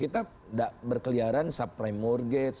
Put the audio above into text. kita nggak berkeliaran subprime mortgage